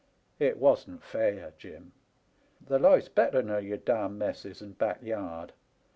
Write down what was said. It wasn't fair, Jim. The life's better nor your dam messes and backyard.